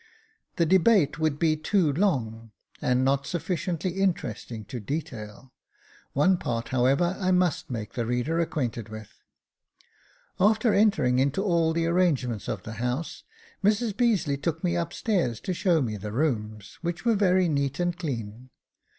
The debate would be too long, and not sufficiently interesting to detail ; one part, however, I must make the reader acquainted with. After 314 Jacob Faithful entering into all the arrangements of the house, Mrs Beazeley took me upstairs to show me the rooms, which were very neat and clean.